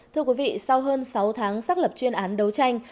thưa quý vị sau hơn sáu tháng xác lập chuyên án đấu tranh